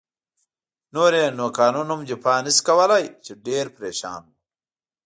نور يې نو قانون هم دفاع نه شي کولای، چې ډېر پرېشان و.